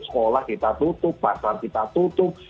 sekolah kita tutup pasar kita tutup